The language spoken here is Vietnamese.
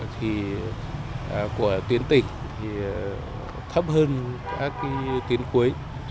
thì của tuyến tỉnh thì thấp hơn các cái tuyến cuối